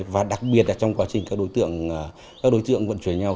và đặc biệt trong quá trình các đối tượng vận chuyển nhau